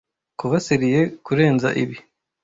Kuba serieux kurenza ibi